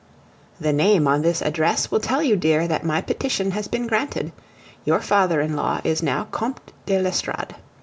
The name on this address will tell you, dear, that my petition has been granted. Your father in law is now Comte de l'Estorade.